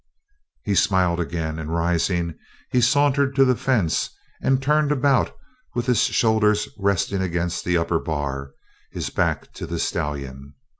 He smiled again and rising, he sauntered to the fence and turned about with his shoulders resting against the upper bar, his back to the stallion.